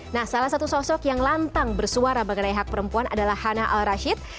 nah salah satu sosok yang lantang bersuara mengenai hak perempuan adalah hana al rashid